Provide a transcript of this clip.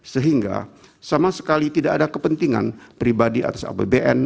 sehingga sama sekali tidak ada kepentingan pribadi atas apbn